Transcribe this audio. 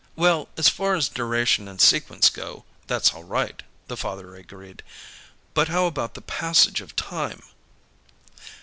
"Well, as far as duration and sequence go, that's all right," the father agreed. "But how about the 'Passage of Time'?"